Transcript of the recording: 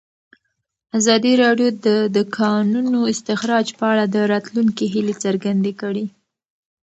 ازادي راډیو د د کانونو استخراج په اړه د راتلونکي هیلې څرګندې کړې.